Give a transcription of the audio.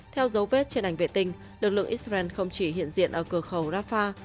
theo dấu vết trên ảnh vệ tinh lực lượng israel không chỉ hiện diện ở cửa khẩu rafah